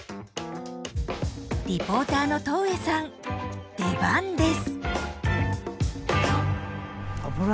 リポーターの戸上さん出番です。